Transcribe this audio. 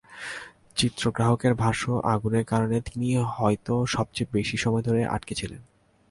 চিত্রগ্রাহকের ভাষ্য, আগুনের কারণে তিনিই হয়তো সবচেয়ে বেশি সময় ধরে আটকে ছিলেন।